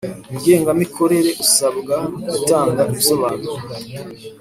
Ngengamikorere usabwa gutanga ibisobanuro